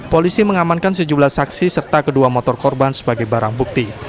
polisi mengamankan sejumlah saksi serta kedua motor korban sebagai barang bukti